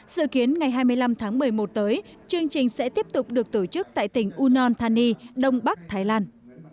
dự kiến ngày hai mươi năm tháng một mươi một tới chương trình sẽ tiếp tục được tổ chức tại tỉnh unon thani đông bắc thái lan